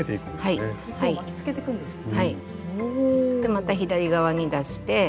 また左側に出して。